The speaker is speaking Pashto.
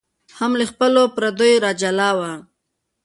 هم له خپلو هم پردیو را جلا وه